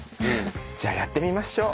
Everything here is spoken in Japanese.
じゃあやってみましょう。